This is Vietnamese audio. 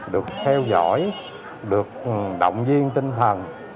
được theo dõi được động viên tinh thần